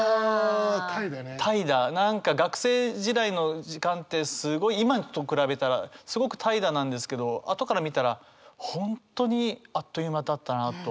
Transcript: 何か学生時代の時間ってすごい今と比べたらすごく怠惰なんですけど後から見たら本当にあっという間だったなと。